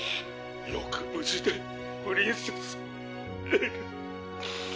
「よく無事でプリンセス・エル」